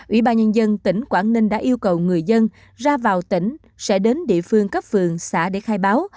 ủy ban nhân dân tỉnh quảng ninh đã yêu cầu người dân ra vào tỉnh sẽ đến địa phương cấp phường xã để khai báo